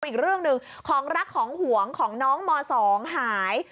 อีกเรื่องหนึ่งของรักของหวงของน้องม๒หาย